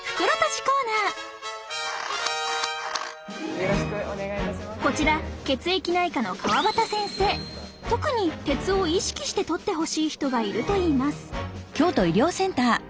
コーナーこちら血液内科の特に鉄を意識してとってほしい人がいるといいます